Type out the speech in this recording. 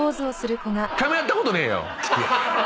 １回もやったことねえよ。